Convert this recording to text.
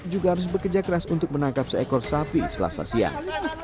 juga harus bekerja keras untuk menangkap seekor sapi selasa siang